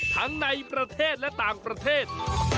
ทั้งในประเทศและต่างประเทศ